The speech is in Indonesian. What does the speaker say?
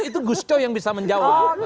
itu gusto yang bisa menjawab